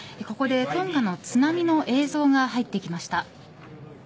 ここでトンガの津波の映像が入ってきました。